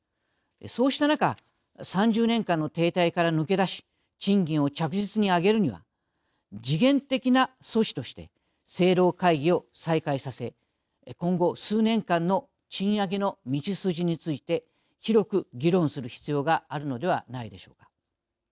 そうした中３０年間の停滞から抜け出し賃金を着実に上げるには時限的な措置として政労使会議を再開させ今後数年間の賃上げの道筋について広く議論する必要があるのではないでしょうか。